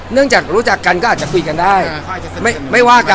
เนื่องจากรู้จักกันก็อาจจะคุยกันได้